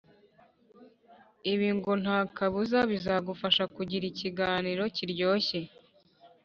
ibi ngo nta kabuza bizagufasha kugira ikiganiro kiryoshye.